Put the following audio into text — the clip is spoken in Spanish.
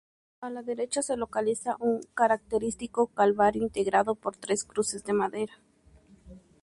A la derecha se localiza un característico calvario integrado por tres cruces de madera.